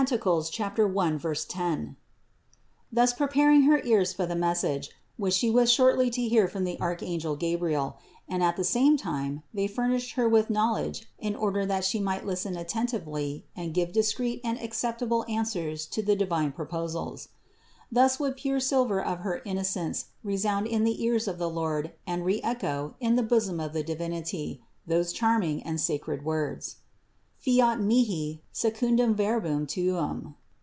1, 10), thus preparing her ears for the message, which She was shortly to hear from the arch angel Gabriel, and at the same time they furnished Her 74 CITY OF GOD with knowledge in order that She might listen attentively and give discreet and acceptable answers to the divine proposals. Thus would the pure silver of her innocence resound in the ears of the Lord and re echo, in the bosom of the Divinity, those charming and sacred words : "Fiat mihi secundum verbum tuum."